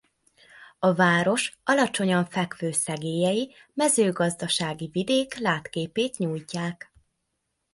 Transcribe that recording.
A város alacsonyan fekvő szegélyei mezőgazdasági vidék látképét nyújtják.